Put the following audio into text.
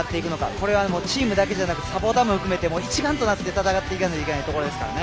これはチームだけじゃなくてサポーターも含めて一丸となって戦っていかないといけないところですから。